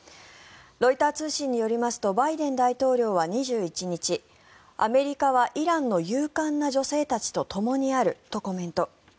ロイター通信によりますとバイデン大統領は２１日アメリカはイランの勇敢な女性たちとともにあるとコメント。